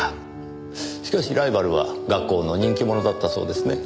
しかしライバルは学校の人気者だったそうですね。